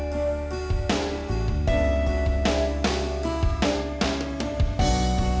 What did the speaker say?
tapi mama harus terima kasih sama boy